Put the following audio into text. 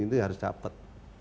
itu yang harus dapat